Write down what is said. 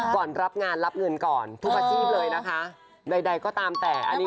ต้องบล็อกหรือเปล่าพี่แจ๊ก